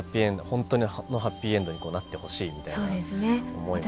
本当のハッピーエンドになってほしいみたいな思いもあって。